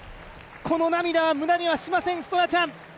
この涙は無駄にはしません、ストラチャン。